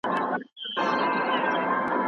یو خوږ تړون د انقلاب جوړوو